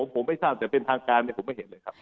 ผมไม่ทราบแต่เป็นทางการผมไม่เห็นเลยครับ